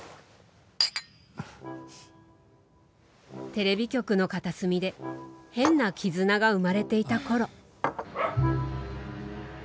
テレビ局の片隅で変な絆が生まれていた頃。